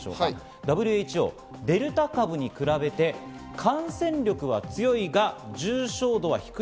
ＷＨＯ、デルタ株に比べて感染力は強いが、重症度は低い。